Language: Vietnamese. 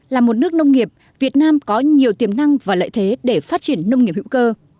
là một nước nông nghiệp việt nam có nhiều tiềm năng và lợi thế để phát triển nông nghiệp hữu cơ